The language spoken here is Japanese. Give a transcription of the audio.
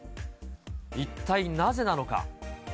一体なぜなのか。